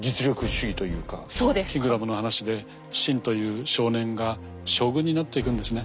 「キングダム」の話で信という少年が将軍になっていくんですね。